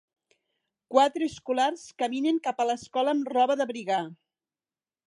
Quatre escolars caminen cap a l'escola amb roba d'abrigar.